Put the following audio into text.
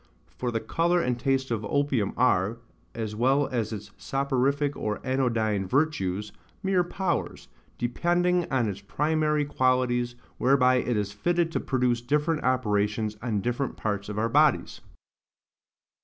For the colour and taste of opium are, as well as its soporific or anodyne virtues, mere powers, depending on its primary qualities, whereby it is fitted to produce different operations on different parts of our bodies.